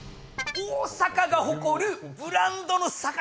大阪が誇るブランドの魚でーす！